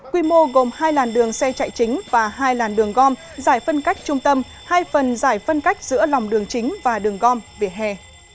quy mô gồm hai làn đường xe chạy chính và hai làn đường gom giải phân cách trung tâm hai phần giải phân cách giữa lòng đường chính và đường gom vỉa hè